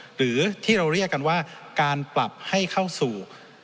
หรือที่เราเรียกกันว่าการปรับให้เข้าสู่